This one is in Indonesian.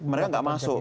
mereka gak masuk